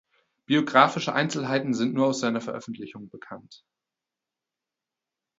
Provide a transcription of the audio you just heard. Biografische Einzelheiten sind nur aus seiner Veröffentlichung bekannt.